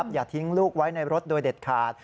อย่าทิ้งลูกไว้ในรถโดยเด็ดขาด